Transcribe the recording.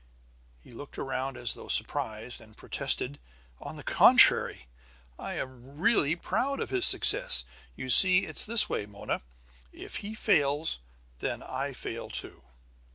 He looked around as though surprised, and protested: "On the contrary, I am really proud of his success. You see, it's this way, Mona: If he fails, then I fail too!"